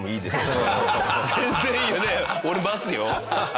俺待つよ。